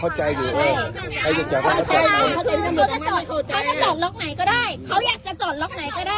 เขาจะจอดล็อกไหนก็ได้เขาอยากจะจอดล็อกไหนก็ได้